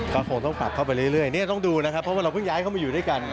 ก็คงต้องปรับเข้าไปเรื่อยเนี่ยต้องดูนะครับเพราะว่าเราเพิ่งย้ายเข้ามาอยู่ด้วยกัน